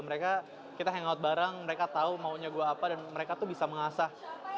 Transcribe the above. mereka kita hangout bareng mereka tahu maunya gue apa dan mereka tuh bisa mengasah